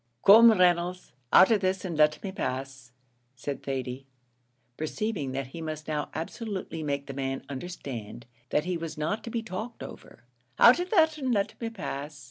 "Come, Reynolds, out of this, and let me pass," said Thady, perceiving that he must now absolutely make the man understand that he was not to be talked over, "out of that, and let me pass.